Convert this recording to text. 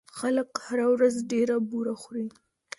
خلک هره ورځ ډېره بوره خوري.